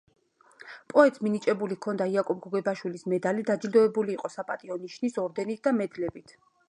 პოეტს მინიჭებული ჰქონდა იაკობ გოგებაშვილის მედალი; დაჯილდოვებული იყო „საპატიო ნიშნის“ ორდენით და მედლებით.